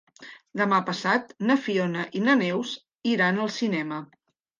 Demà passat na Fiona i na Neus iran al cinema.